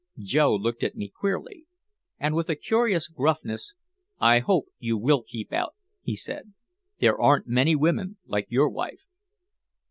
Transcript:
Joe looked at me queerly. And with a curious gruffness, "I hope you will keep out," he said. "There aren't many women like your wife."